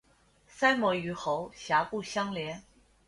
鳃膜与喉峡部相连。